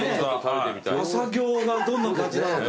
朝ギョーがどんな感じなのか。